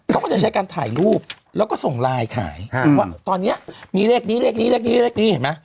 เขาก็จะใช้การถ่ายรูปแล้วก็ส่งไลน์ขายตอนนี้มีเลขนี้เลขนี้เห็นไหม